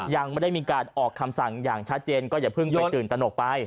ยังไม่ได้มีการออกคำสั่งอย่างชัดเจนก็อย่าเพิ่งไปตื่นตนกไป